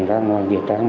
ra ngoài dĩa trang